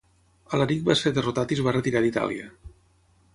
Alaric va ser derrotat i es va retirar d'Itàlia.